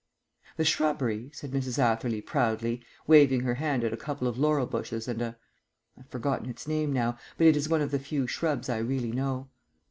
"The shrubbery," said Mrs. Atherley proudly, waving her hand at a couple of laurel bushes and a I've forgotten its name now, but it is one of the few shrubs I really know.